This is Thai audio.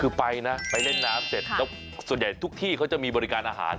คือไปนะไปเล่นน้ำเสร็จแล้วส่วนใหญ่ทุกที่เขาจะมีบริการอาหาร